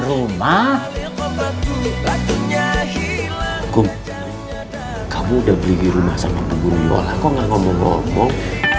rumah kum kamu udah beli rumah sama pembunyi bola kok nggak ngomong ngomong